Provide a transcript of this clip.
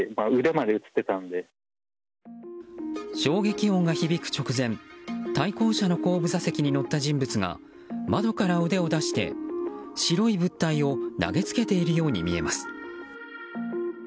衝撃音が響く直前対向車の後部座席に乗った人物が窓から腕を出して、白い物体を投げつけているように見えます。